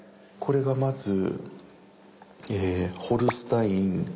コレがまず『ホルスタイン』。